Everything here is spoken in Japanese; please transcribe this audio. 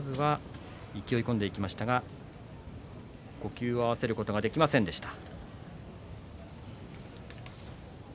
勢い込んでいきましたが呼吸を合わせることができませんでした。